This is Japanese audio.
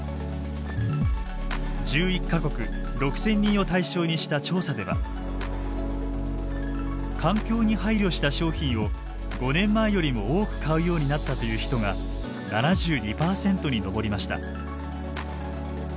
１１か国６，０００人を対象にした調査では環境に配慮した商品を５年前よりも多く買うようになったという人が７２％に上りました。